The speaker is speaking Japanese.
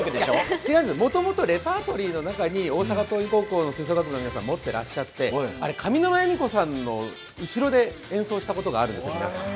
違うんです、もともとレパートリーの中に大阪桐蔭高校吹奏楽部の皆さん、持ってまして上沼恵美子さんの後ろで演奏したことがあるんですよ、皆さん。